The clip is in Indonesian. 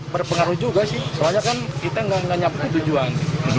berpengaruh juga sih soalnya kan kita nggak nyapu tujuan